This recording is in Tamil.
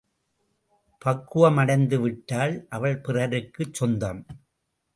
பக்குவமடைநது விட்டால், அவள் பிறருக்குச் சொந்தம்.